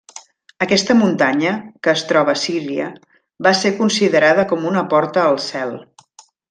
Aquesta muntanya, que es troba a Síria, va ser considerada com una porta al cel.